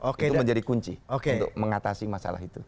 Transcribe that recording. itu menjadi kunci untuk mengatasi masalah itu